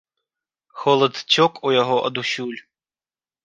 Холад цёк у яго адусюль.